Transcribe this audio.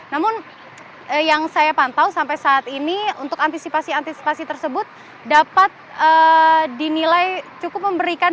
namun yang saya pantau sampai saat ini untuk antisipasi antisipasi tersebut dapat dinilai cukup memberikan